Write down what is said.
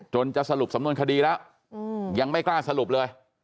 จะสรุปสำนวนคดีแล้วยังไม่กล้าสรุปเลย